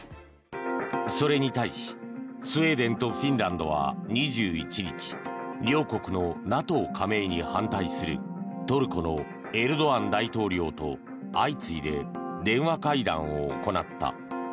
それに対し、スウェーデンとフィンランドは２１日両国のＮＡＴＯ加盟に反対するトルコのエルドアン大統領と相次いで電話会談を行った。